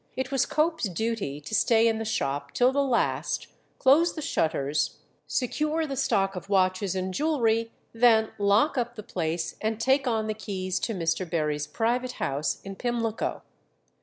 It was Cope's duty to stay in the shop till the last, close the shutters, secure the stock of watches and jewellery, then lock up the place and take on the keys to Mr. Berry's private house in Pimlico.